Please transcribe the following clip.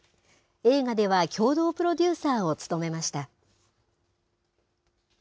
映画では、共同プロデューサーを務めました。